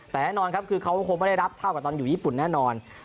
แต่แน่นอนครับคือเขาคงไม่ได้รับเท่ากับตอนอยู่ญี่ปุ่นแน่นอน